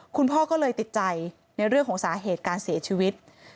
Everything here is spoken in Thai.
คุณพ่อก็เลยติดใจในเรื่องของสาเหตุการเสียชีวิต